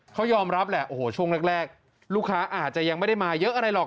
เขายอมรับแหละโอ้โหช่วงแรกลูกค้าอาจจะยังไม่ได้มาเยอะอะไรหรอก